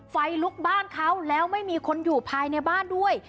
ไฟลุกบ้านเขาแล้วไม่มีคนอยู่ภายในบ้านด้วย